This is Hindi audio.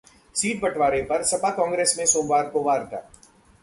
सीट बंटवारे पर सपा-कांग्रेस में सोमवार को वार्ता